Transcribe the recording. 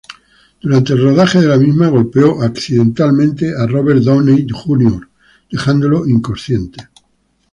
Durante el rodaje de la misma golpeó accidentalmente a Robert Downey Jr., dejándolo inconsciente.